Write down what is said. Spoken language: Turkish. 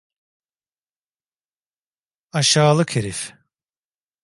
Aşağılık herif.